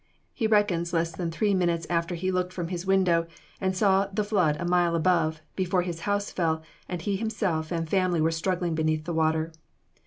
He reckons less than three minutes after he looked from his window and saw the flood a mile above, before his house fell, and himself and family were struggling beneath the water.